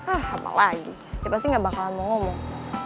ah apalagi dia pasti gak bakalan mau ngomong